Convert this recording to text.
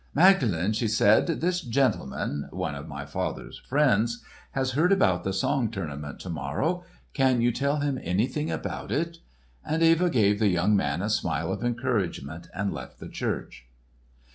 "Magdalen," she said, "this gentleman—one of my father's friends—has heard about the song tournament to morrow. Can you tell him anything about it?" And Eva gave the young man a smile of encouragement and left the church.